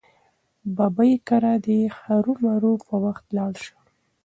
ببۍ کره دې هرو مرو په وخت لاړه شه.